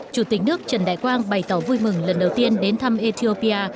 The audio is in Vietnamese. chủ tịch nước trần đại quang bày tỏ vui mừng lần đầu tiên đến thăm ethiopia